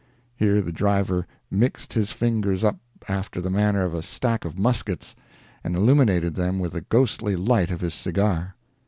( Here the driver mixed his fingers up after the manner of a stack of muskets, and illuminated them with the ghostly light of his cigar.)